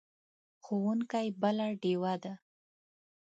ښوونکی بله ډیوه ده.